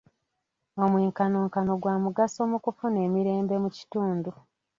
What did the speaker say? Omwenkanonkano gwa mugaso mu kufuna emirembe mu kitundu.